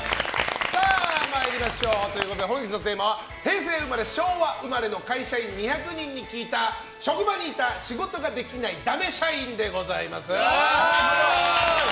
本日のテーマは平成生まれ・昭和生まれの会社員２００人に聞いた職場にいた仕事ができないダメ社員！でございます。